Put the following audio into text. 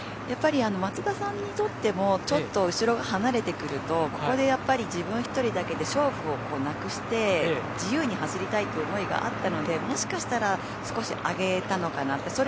やっぱり松田さんにとってもちょっと後ろが離れてくるとここで自分１人だけで勝負をなくして、自由に走りたいという思いがあったのでもしかしたら少し上げたのかなと。